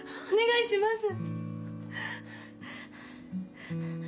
お願いします！